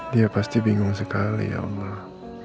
dia pasti bingung sekali ya allah